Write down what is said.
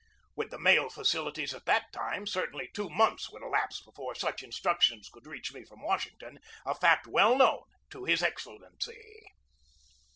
With the mail facilities at that time, certainly two months would elapse before such instructions could reach me from Washington, a fact well known to his Excellency.